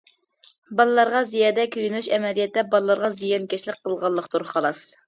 بالىلارغا زىيادە كۆيۈنۈش ئەمەلىيەتتە بالىلارغا زىيانكەشلىك قىلغانلىقتۇر، خالاس!